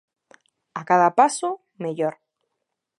A cada paso, mellor.